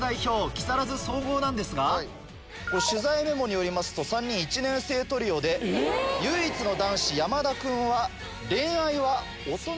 木更津総合なんですが取材メモによりますと３人１年生トリオで唯一の男子山田君は。